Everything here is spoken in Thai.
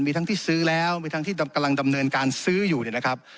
มีทั้งที่ซื้อแล้วมีทั้งที่กำลังดำเนินการซื้ออยู่เนี่ยนะครับ